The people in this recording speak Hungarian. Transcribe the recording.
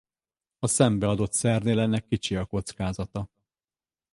A szembe adott szernél ennek kicsi a kockázata.